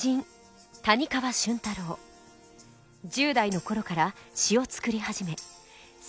１０代の頃から詩を作り始め